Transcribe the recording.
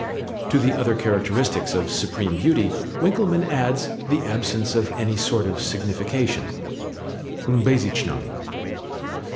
To the other characteristics of supreme beauty, Winckelmann adds "the absence of any sort of signification" (Unbezeichnung).